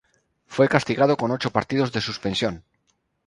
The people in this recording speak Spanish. Fue castigado con ocho partidos de suspensión.